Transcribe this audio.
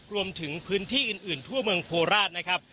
รวมถึงพื้นที่อื่นทั่วเมืองโคราชนะครับ